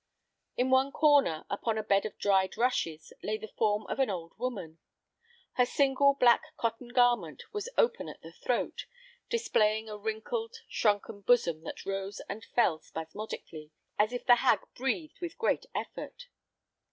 In one corner, upon a bed of dried rushes, lay the form of an old woman. Her single black cotton garment was open at the throat, displaying a wrinkled, shrunken bosom that rose and fell spasmodically, as if the hag breathed with great effort.